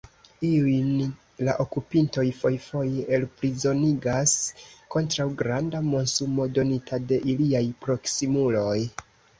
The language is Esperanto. Iujn la okupintoj fojfoje elprizonigas kontraŭ granda monsumo donita de iliaj proksimuloj.